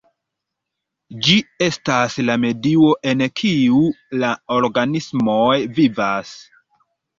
Ĝi estas la medio en kiu la organismoj vivas.